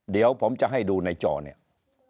เดี๋ยวผมจะให้ดูในจอเนี่ย